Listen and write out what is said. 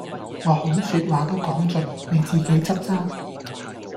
我好說話都講盡，你自己執生